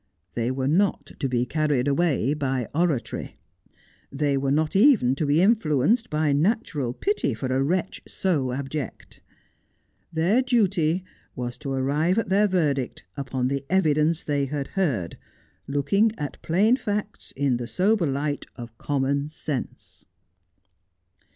They were not to be carried away by oratory. They were not even to be influenced by natural pity for a wretch so abject. Their duty was to arrive at their verdict upon the evidence they had heard, looking at plain facts in the sober light of common sense.